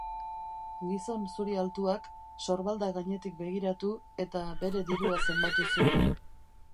Gizon zuri altuak, sorbalda gainetik begiratu, eta bere dirua zenbatu zuen.